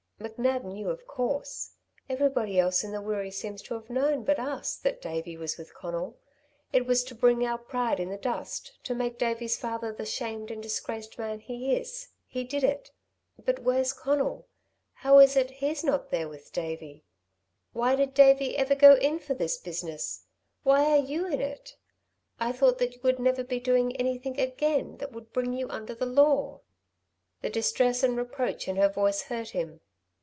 McNab knew, of course. Everybody else in the Wirree seems to have known, but us, that Davey was with Conal. It was to bring our pride in the dust, to make Davey's father the shamed and disgraced man he is, he did it. But Where's Conal? How is it he's not there with Davey? Why did Davey ever go in for this business? Why are you in it? I thought that you would never be doing anything again that would bring you under the law." The distress and reproach in her voice hurt him.